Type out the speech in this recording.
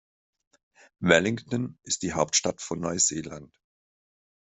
Wellington ist die Hauptstadt von Neuseeland.